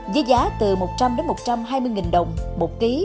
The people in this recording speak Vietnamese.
giết giá từ một trăm linh một trăm hai mươi nghìn đồng một ký